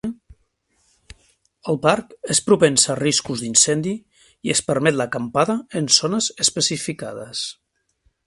El parc és propens a riscos d'incendi i es permet l'acampada en zones especificades.